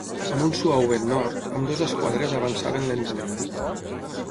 Amb un suau vent nord, ambdues esquadres avançaven lentament.